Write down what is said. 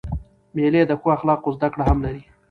مېلې د ښو اخلاقو زدهکړه هم لري.